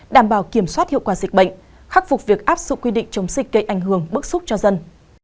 đảm bảo kiểm soát hiệu quả dịch bệnh khắc phục việc áp dụng quy định chống dịch gây ảnh hưởng bức xúc cho dân